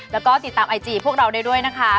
แล้วก็ติดตามไอจีพวกเราได้ด้วยนะคะ